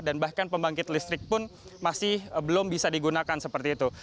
dan bahkan pembangkit listrik pun masih belum bisa digunakan seperti itu